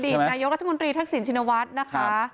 อดีตนายกราชมนตรีทักศิลป์ชินวัฒน์นะคะ